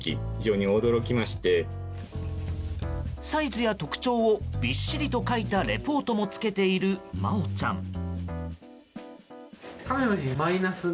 サイズや特徴をびっしりと書いたレポートもつけている茉織ちゃん。